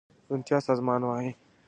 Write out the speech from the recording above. روڼتيا سازمان وايي